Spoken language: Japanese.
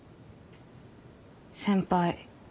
先輩